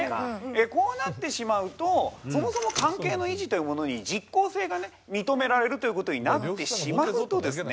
こうなってしまうとそもそも関係の維持というものに実効性がね認められるという事になってしまうとですね